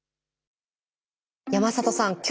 山里さん